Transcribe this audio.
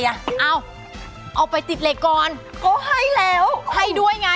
เราก็ได้รีบไปแหละนี่มา